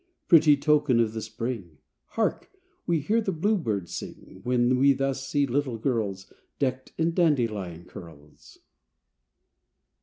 Pretty token of the spring! Hark! we hear the bluebirds sing When we thus see little girls Decked in dandelion curls.